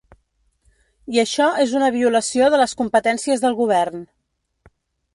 I això és una violació de les competències del govern.